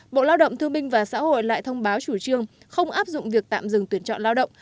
bộ lao động thương binh và xã hội lại thông báo chủ trương không áp dụng việc tạm dừng tuyển chọn lao động